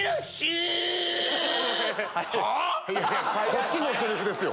こっちのセリフですよ